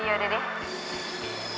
iya udah deh